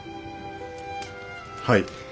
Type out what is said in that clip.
はい。